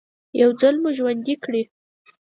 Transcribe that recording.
يو ځل مو ژوندي کړي.